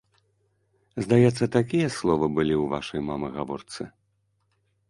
Здаецца, такія словы былі ў вашай, мама, гаворцы?